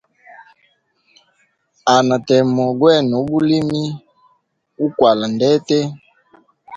Hanha temo gwene ubulimi uklwala ndete.